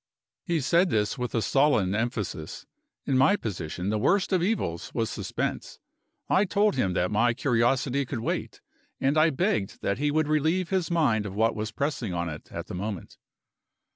He said this with a sullen emphasis. In my position, the worst of evils was suspense. I told him that my curiosity could wait; and I begged that he would relieve his mind of what was pressing on it at the moment.